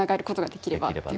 できれば。